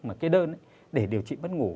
mà cái đơn để điều trị bất ngủ